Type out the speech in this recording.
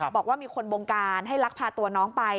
บอกว่ามีคนบงการให้ลักพาตัวน้องไป